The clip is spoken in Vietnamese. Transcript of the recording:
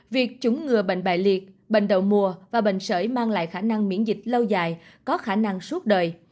việc chủng ngừa bệnh liệt bệnh đậu mùa và bệnh sởi mang lại khả năng miễn dịch lâu dài có khả năng suốt đời